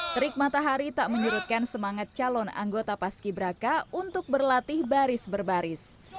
terik matahari tak menyerutkan semangat calon anggota paski braka untuk berlatih baris berbaris